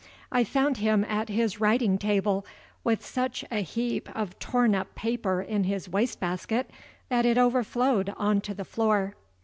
I found him at his writing table, with such a heap of torn up paper in his waste basket that it overflowed on to the floor.